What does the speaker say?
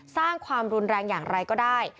สร้างความรุนแรงอย่างไรก็ได้